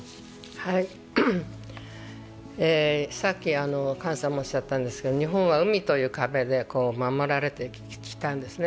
さっき姜さんもおっしゃったんですけど、日本は海という壁で守られてきたんですね。